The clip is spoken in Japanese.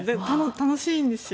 楽しいんですよ。